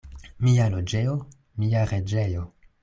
Mia loĝejo — mia reĝejo.